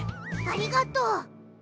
ありがとう！